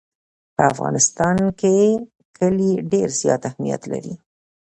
په افغانستان کې کلي ډېر زیات اهمیت لري.